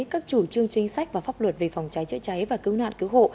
các chủ trương chính sách và pháp luật về phòng cháy chữa cháy và cứu nạn cứu hộ